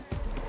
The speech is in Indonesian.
wah ini bagus